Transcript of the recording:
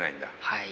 はい。